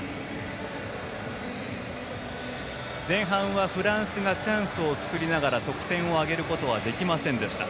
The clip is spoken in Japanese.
前半はフランスがチャンスを作りながら得点を挙げることはできませんでした。